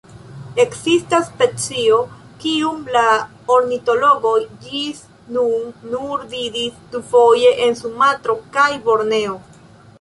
Ekzistas specio, kiun la ornitologoj ĝis nun nur vidis dufoje en Sumatro kaj Borneo.